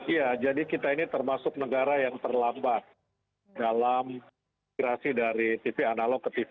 iya jadi kita ini termasuk negara yang terlambat dalam inspirasi dari tv analog ke tv